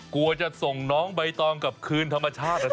กลัวจะส่งน้องใบตองกลับคืนธรรมชาตินะครับ